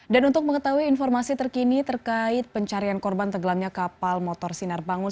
dan untuk mengetahui informasi terkini terkait pencarian korban tergelamnya kapal motor sinar bangun